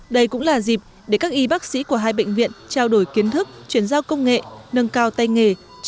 đây cũng là dịp để các y bác sĩ của hai bệnh viện trao đổi kiến thức chuyển giao công nghệ nâng cao tay nghề